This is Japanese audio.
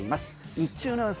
日中の予想